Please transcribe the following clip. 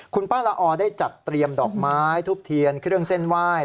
คุณป้าละออได้จัดเตรียมดอกไม้ทุบเทียนเครื่องเส้นไหว้